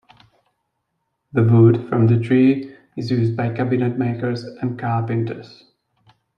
The wood from the tree is used by cabinetmakers and carpenters.